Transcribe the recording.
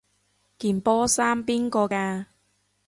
件波衫邊個㗎？